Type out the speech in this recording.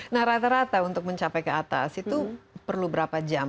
nah rata rata untuk mencapai ke atas itu perlu berapa jam